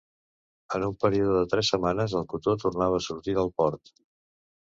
En un període de tres setmanes, el cotó tornava a sortir del port.